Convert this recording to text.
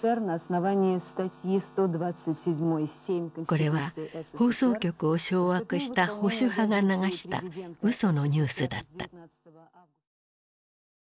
これは放送局を掌握した保守派が流したうそのニュースだった。